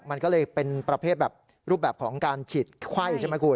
มันก็เลยเป็นประเภทแบบรูปแบบของการฉีดไข้ใช่ไหมคุณ